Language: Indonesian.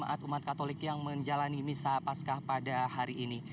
dan juga kepada maat umat katolik yang menjalani misa paskah pada hari ini